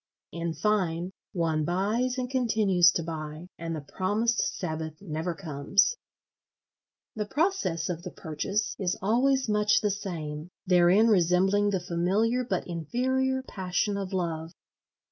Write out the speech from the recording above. In fine, one buys and continues to buy; and the promised Sabbath never comes. The process of the purchase is always much the same, therein resembling the familiar but inferior passion of love.